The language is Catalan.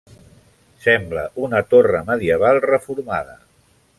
Sembla una torre medieval reformada.